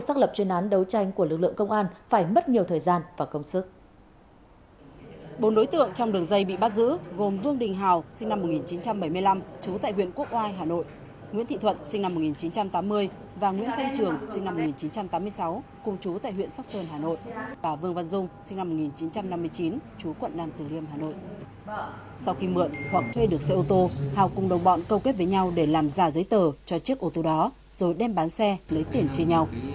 sau khi mượn hoặc thuê được xe ô tô hào cùng đồng bọn câu kết với nhau để làm giả giấy tờ cho chiếc ô tô đó rồi đem bán xe lấy tiền chia nhau